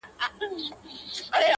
الله ته لاس پورته كړو~